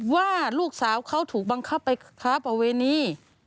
ว่าลูกสาวเขาถูกบังคับไปครับเอาไว้นี้